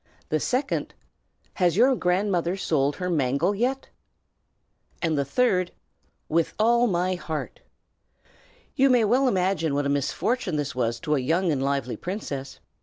The second, "Has your grandmother sold her mangle yet?" And the third, "With all my heart!" You may well imagine what a great misfortune this was to a young and lively princess.